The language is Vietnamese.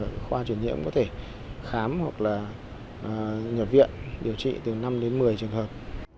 và khoa truyền nhiễm có thể khám hoặc là nhập viện điều trị từ năm đến mười trường hợp